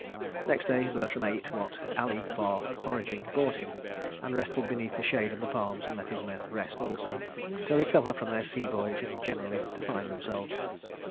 Next day, Bertram ate what Ali, far foraging, brought him; and rested beneath the shade of the palms and let his men rest also, to recover from their sea voyage and generally to find themselves.